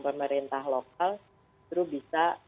pemerintah lokal justru bisa